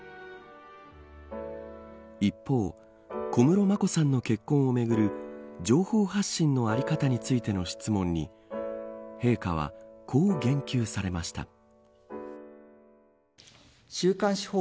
一方、小室眞子さんの結婚をめぐる情報発信のあり方についての質問に陛下はこう言及されました。